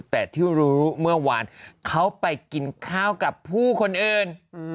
แต่ที่รู้เมื่อวานเขาไปกินข้าวกับผู้คนอื่น